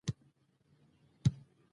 مطالعه د انسان د فکر ژورتیا زیاتوي